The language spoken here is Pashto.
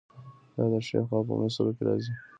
دا د ښي خوا په مصرو کې راځي.